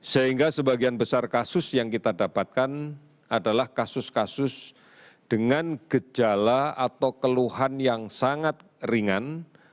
sehingga sebagian besar kasus yang kita dapatkan adalah kasus kasus dengan gejala atau keluhan yang sangat ringan